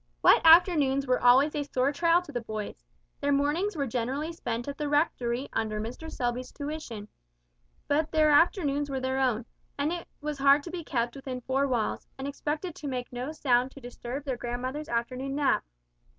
Wet afternoons were always a sore trial to the boys: their mornings were generally spent at the Rectory under Mr. Selby's tuition, but their afternoons were their own, and it was hard to be kept within four walls, and expected to make no sound to disturb their grandmother's afternoon nap.